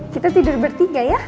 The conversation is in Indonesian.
kita tidur bertiga ya